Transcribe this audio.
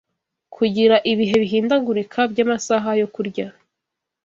Kugira ibihe bihindagurika by’amasaha yo kurya